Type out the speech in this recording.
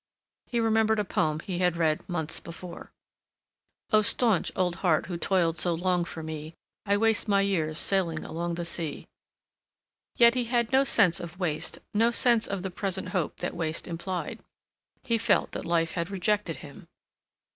He remembered a poem he had read months before: "Oh staunch old heart who toiled so long for me, I waste my years sailing along the sea—" Yet he had no sense of waste, no sense of the present hope that waste implied. He felt that life had rejected him.